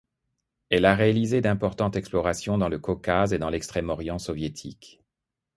Elle a réalisé d'importantes explorations dans le Caucase et dans l'Extrême-Orient soviétique.